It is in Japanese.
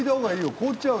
凍っちゃうよ。